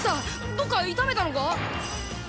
どっか痛めたのか？